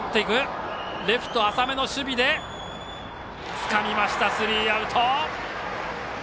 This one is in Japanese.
つかみました、スリーアウト。